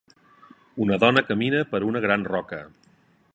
una dona camina per una gran roca.